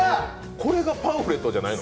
これがパンフレットじゃないの！？